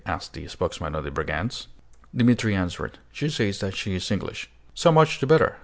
asked the spokesman of the brigands. Dimitri answered, "She says that she is English." "So much the better!